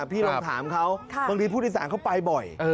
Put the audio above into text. พี่ลองถามเขาบางทีผู้โดยสารเขาไปบ่อย